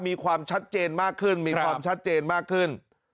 มีความชัดเจนมากขึ้นมีความชัดเจนมากขึ้น